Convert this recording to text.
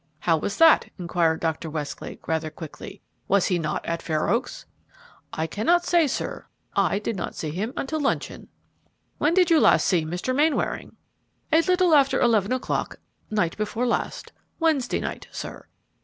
"How was that?" inquired Dr. Westlake, rather quickly. "Was he not at Fair Oaks?" "I cannot say, sir. I did not see him until luncheon." "When did you last see Mr. Mainwaring?" "A little after eleven o'clock night before last, Wednesday night, sir.